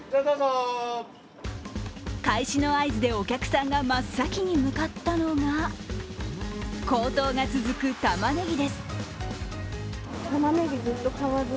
開始の合図でお客さんが真っ先に向かったのが高騰が続くたまねぎです。